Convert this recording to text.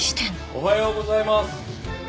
おはようございます。